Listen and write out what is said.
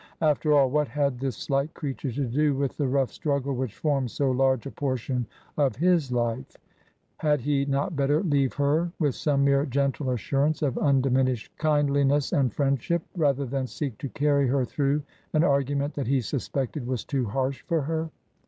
After all, what had this slight creature to do with the rough struggle which formed so large a portion of his life ? Had he not better leave her with some mere gentle assurance of undiminished kind liness and friendship, rather than seek to carry her through an argument that he suspected was too harsh for her